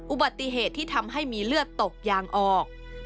อุบัติเหตุที่ทำให้มีเลือดตกยางออก